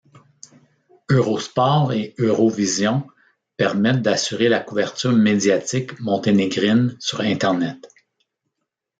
Eurosport et Eurovision permettent d'assurer la couverture médiatique monténégrine sur Internet.